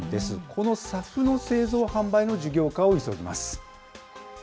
このＳＡＦの製造、販売の事業化を急ぎます。